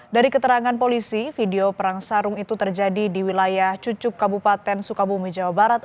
dari keterangan polisi video perang sarung itu terjadi di wilayah cucuk kabupaten sukabumi jawa barat